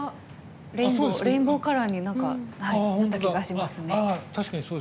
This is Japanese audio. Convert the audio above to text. レインボーカラーになった気がしますね。